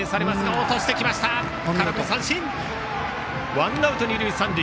ワンアウト二塁三塁。